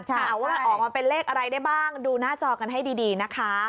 ถามว่าออกมาเป็นเลขอะไรได้บ้างดูหน้าจอกันให้ดีนะคะ